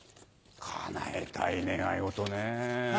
叶えたい願い事ね。